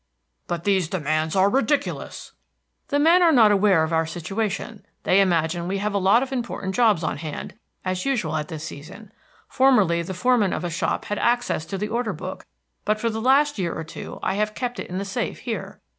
"But these demands are ridiculous." "The men are not aware of our situation; they imagine we have a lot of important jobs on hand, as usual at this season. Formerly the foreman of a shop had access to the order book, but for the last year or two I have kept it in the safe here.